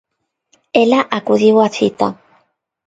Ela acudiu á cita.